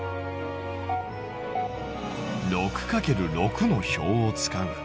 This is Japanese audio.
６×６の表を使う。